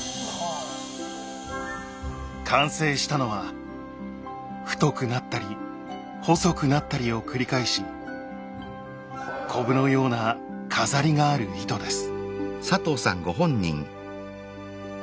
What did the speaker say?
完成したのは太くなったり細くなったりを繰り返しこぶのような飾りがある糸です。